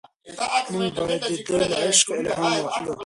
موږ باید د ده له عشقه الهام واخلو.